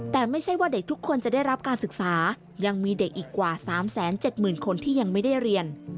แต่ไม่ใช่ว่าเด็กทุกคนจะได้รับการศึกษายังมีเด็กอีกกว่า๓๗๐๐คนที่ยังไม่ได้เรียน